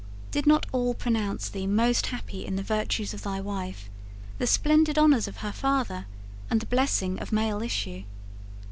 Did not all pronounce thee most happy in the virtues of thy wife, the splendid honours of her father, and the blessing of male issue?